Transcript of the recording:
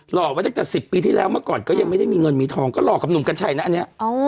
ห่อไว้ตั้งแต่๑๐ปีที่แล้วเมื่อก่อนก็ยังไม่ได้มีเงินมีทองก็หล่อกับหนุ่มกัญชัยนะอันนี้